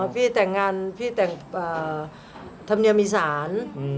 พี่แต่งงานพี่แต่งธรรมเนียมอีสาน